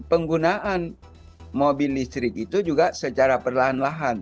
penggunaan mobil listrik itu juga secara perlahan lahan